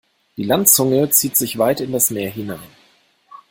Die Landzunge zieht sich weit in das Meer hinein.